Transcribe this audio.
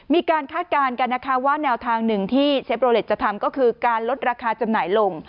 คาดการณ์กันนะคะว่าแนวทางหนึ่งที่เชฟโลเล็ตจะทำก็คือการลดราคาจำหน่ายลง